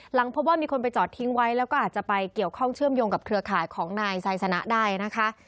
พบว่ามีคนไปจอดทิ้งไว้แล้วก็อาจจะไปเกี่ยวข้องเชื่อมโยงกับเครือข่ายของนายไซสนะได้นะคะ